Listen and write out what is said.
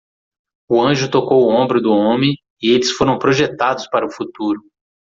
O anjo tocou o ombro do homem e eles foram projetados para o futuro.